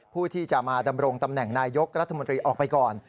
ผู้ที่จะมาดำรงตำแหน่งนายยกรัฐมนตรีออกไปก่อน